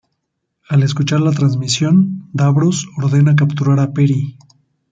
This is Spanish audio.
Al escuchar la transmisión, Davros ordena capturar a Peri.